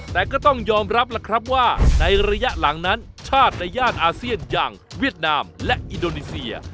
แต่ก็ต้องยอมรับล่ะครับว่าในระยะหลังนั้นชาติในย่านอาเซียนอย่างเวียดนามและอินโดนีเซีย